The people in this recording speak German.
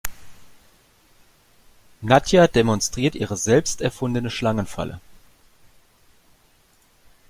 Nadja demonstriert ihre selbst erfundene Schlangenfalle.